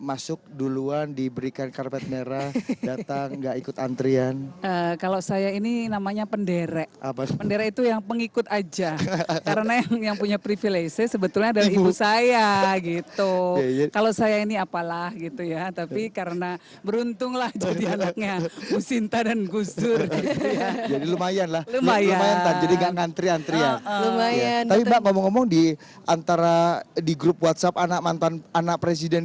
antrian lumayan tapi mbak ngomong ngomong di antara di grup whatsapp anak mantan anak presiden